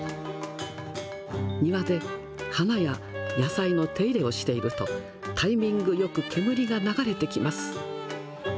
庭で花や野菜の手入れをしていると、タイミングよく煙が流れてきます。